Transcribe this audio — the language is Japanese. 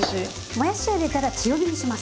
もやしを入れたら強火にします。